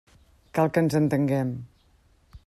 Cal que ens entenguem.